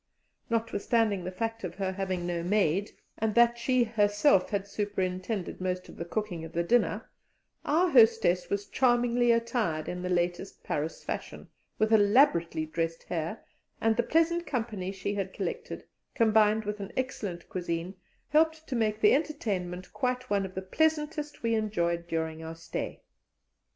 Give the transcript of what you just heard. Notwithstanding the fact of her having no maid, and that she had herself superintended most of the cooking of the dinner, our hostess was charmingly attired in the latest Paris fashion, with elaborately dressed hair, and the pleasant company she had collected, combined with an excellent cuisine, helped to make the entertainment quite one of the pleasantest we enjoyed during our stay.